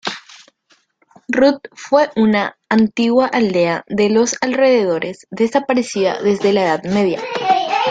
Rude fue una antigua aldea de los alrededores desaparecida desde la Edad Media.